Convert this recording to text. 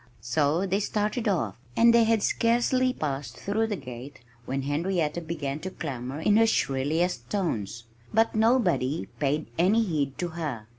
So they started off. And they had scarcely passed through the gate when Henrietta began to clamor in her shrillest tones. But nobody paid any heed to her.